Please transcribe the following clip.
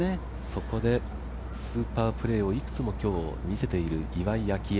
そこでスーパープレーを今日いくつも見せている岩井明愛。